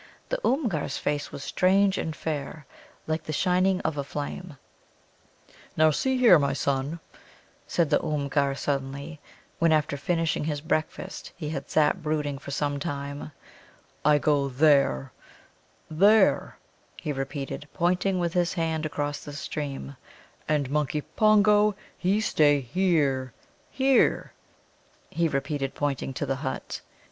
The Oomgar's face was strange and fair, like the shining of a flame. "Now, see here, my son," said the Oomgar suddenly, when, after finishing his breakfast, he had sat brooding for some time: "I go there there," he repeated, pointing with his hand across the stream; "and Monkey Pongo, he stay here here," he repeated, pointing to the hut.